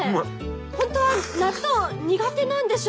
本当は納豆苦手なんでしょ？